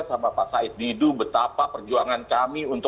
sama pak said didu betapa perjanjiannya ini